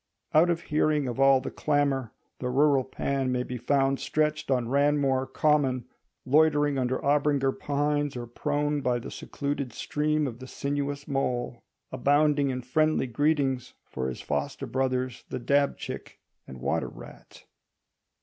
Out of hearing of all the clamour, the rural Pan may be found stretched on Ranmore Common, loitering under Abinger pines, or prone by the secluded stream of the sinuous Mole, abounding in friendly greetings for his foster brothers the dab chick and water rat.